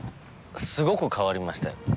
すごく変わりましたよ。